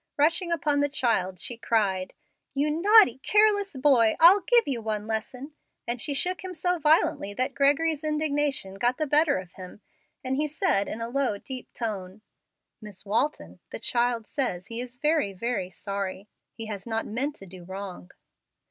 Rushing upon the child, she cried, "You naughty, careless boy! I'll give you one lesson"; and she shook him so violently that Gregory's indignation got the better of him, and he said, in a low, deep tone, "Miss Walton, the child says he is 'very, very sorry.' He has not meant to do wrong."